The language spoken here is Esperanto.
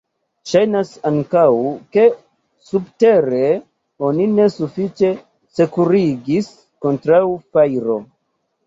Ŝajnas ankaŭ, ke subtere oni ne sufiĉe sekurigis kontraŭ fajro.